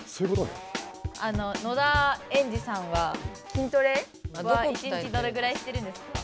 あの野田エンジさんは筋トレは一日どれぐらいしてるんですか？